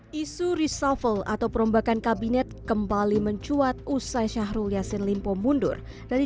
hai isu risafal atau perombakan kabinet kembali mencuat usai syahrul yassin limpo mundur dari